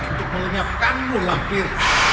untuk melenyapkanmu lampir